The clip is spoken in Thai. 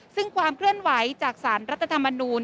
ซึ่งความเคลื่อนไหวจากสารรัฐธรรมนูล